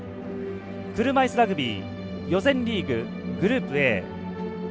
車いすラグビー予選リーグ、グループＡ。